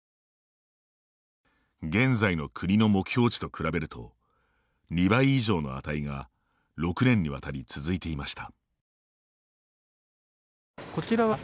現在の国の目標値と比べると２倍以上の値が６年にわたり続いていました。